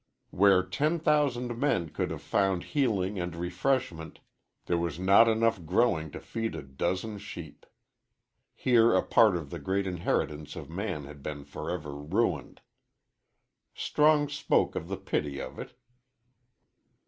Where ten thousand men could have found healing and refreshment there was not enough growing to feed a dozen sheep. Here a part of the great inheritance of man had been forever ruined. Strong spoke of the pity of it.